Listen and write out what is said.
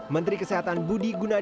menteri kesehatan budi gunadipo